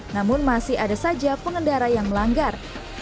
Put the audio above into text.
namun masih ada saja pengendara yang melanggar